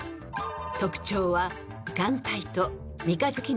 ［特徴は］